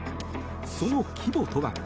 その規模とは？